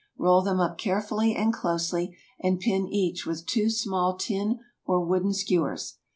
Roll them up carefully and closely, and pin each with two small tin or wooden skewers.